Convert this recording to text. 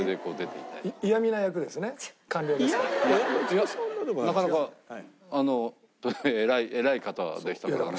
いやなかなか偉い方でしたからね。